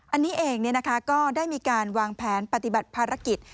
อันนี้เองก็ได้มีการวางแผนปฏิบัติภารกิจ